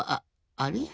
あれ？